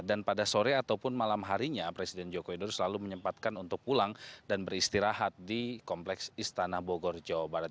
dan pada sore ataupun malam harinya presiden joko widodo selalu menyempatkan untuk pulang dan beristirahat di kompleks istana bogor jawa barat